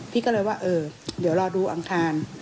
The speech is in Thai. พี่ก็เลยว่าเออเดี๋ยวรอดูอังคาร